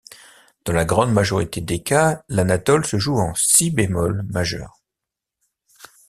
Dans la grande majorité des cas l'anatole se joue en Si b majeur.